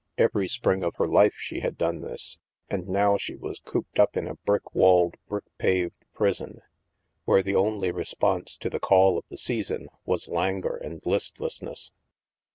Every spring of her life had she done this, and now she was cooped up in a brick walled, brick paved prison, where the only response to the call of the season was languor and listlessness.